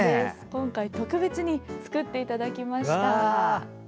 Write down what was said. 今回特別に作っていただきました。